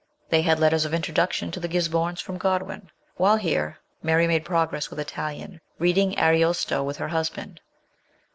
They had letters of introduction to the Gisbornes from Godwin. While here Mary made pro gress with Italian, reading Ariosto with her husband.